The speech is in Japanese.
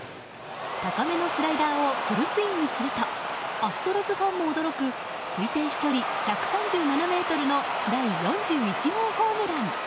高めのスライダーをフルスイングするとアストロズファンも驚く推定飛距離１３７ｍの第４１号ホームラン！